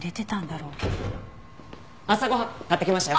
朝ご飯買ってきましたよ。